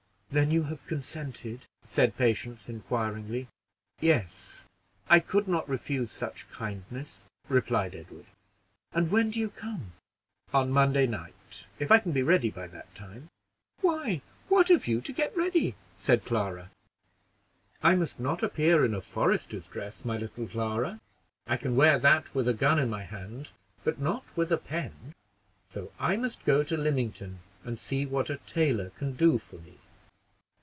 "Then you have consented?" said Patience, inquiringly. "Yes, I could not refuse such kindness," replied Edward. "And when do you come?" "On Monday night, if I can be ready by that time." "Why, what have you to get ready?" said Clara. "I must not appear in a forester's dress, my little Clara. I can wear that with a gun in my hand, but not with a pen: so I must go to Lymington and see what a tailor can do for me."